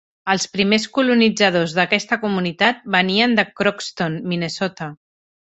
Els primers colonitzadors d'aquesta comunitat venien de Crookston, Minnesota.